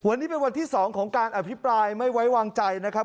วันนี้เป็นวันที่๒ของการอภิปรายไม่ไว้วางใจนะครับ